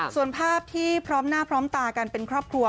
ส่วนภาพที่พร้อมหน้าพร้อมตากันเป็นครอบครัว